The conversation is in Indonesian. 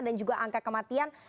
dan juga angka kematian